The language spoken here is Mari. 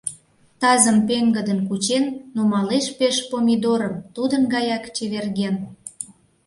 Тазым пеҥгыдын кучен, нумалеш пеш помидорым, тудын гаяк чеверген.